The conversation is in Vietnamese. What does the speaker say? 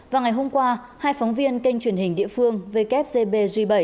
vào ngày hôm qua hai phóng viên kênh truyền hình địa phương wcbg bảy